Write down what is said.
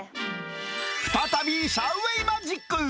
再び、シャウ・ウェイマジック。